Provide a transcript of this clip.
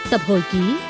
tập hồi ký